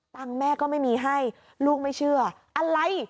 แม่ก็ไม่มีให้ลูกไม่เชื่ออะไร